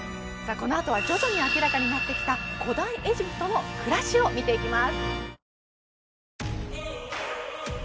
このあとは徐々に明らかになってきた古代エジプトの暮らしを見ていきます